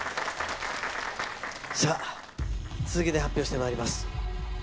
さあ、続けて発表してまいります。